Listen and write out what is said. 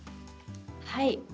はい。